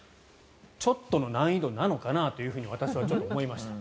ちょっとの難易度なのかなと私は思いました。